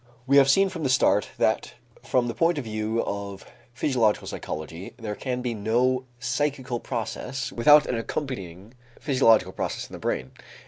We have seen from the start that from the point of view of physiological psychology, there can be no psychical process without an accompanying physiological process in the brain.